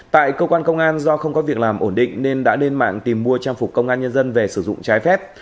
tại công an huyện hữu lũng do không có việc làm ổn định nên đã lên mạng tìm mua trang phục công an nhân dân về sử dụng trái phép